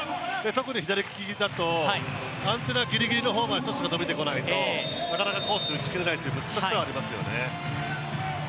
特に左利きだと、ギリギリのところにトスが伸びてこないとなかなかコース打ち切れないという難しさはありますよね。